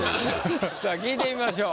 さあ聞いてみましょう。